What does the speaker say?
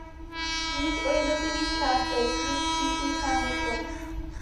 Víc o jednotlivých částech viz příslušná hesla.